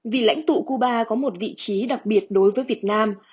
vì lãnh tụ cuba có một vị trí đặc biệt đối với việt nam